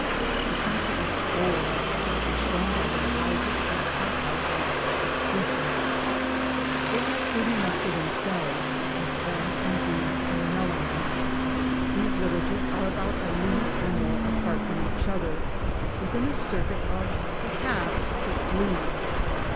The country is cold, as is shown by their houses and hothouses (estufas) . They have food enough for themselves, of corn and beans and melons. These villages are about a league or more apart from each other, within a circuit of perhaps 6 leagues.